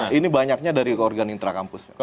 nah ini banyaknya dari organ intrakampus